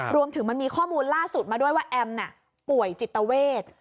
มันมีข้อมูลล่าสุดมาด้วยว่าแอมป่วยจิตเวท